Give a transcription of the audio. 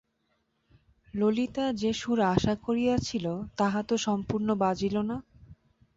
ললিতা যে সুর আশা করিয়াছিল তাহা তো সম্পূর্ণ বাজিল না।